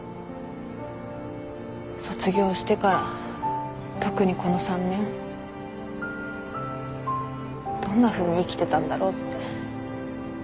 卒業してから特にこの３年どんなふうに生きてたんだろうって。